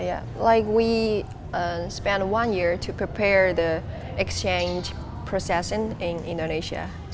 seperti kita menghabiskan satu tahun untuk mempersiapkan proses pergantian di indonesia